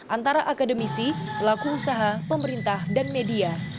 antara akademisi pelaku usaha pemerintah dan media